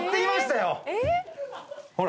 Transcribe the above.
ほら。